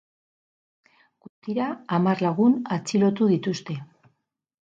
Guztira hamar lagun atxilotu dituzte.